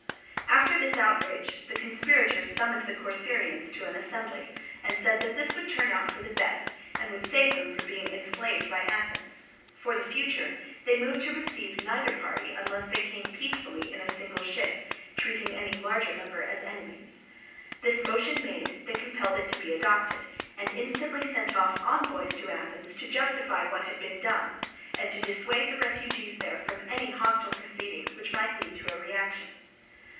After this outrage, the conspirators summoned the Corcyraeans to an assembly, and said that this would turn out for the best, and would save them from being enslaved by Athens: for the future, they moved to receive neither party unless they came peacefully in a single ship, treating any larger number as enemies. This motion made, they compelled it to be adopted, and instantly sent off envoys to Athens to justify what had been done and to dissuade the refugees there from any hostile proceedings which might lead to a reaction.